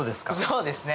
そうですね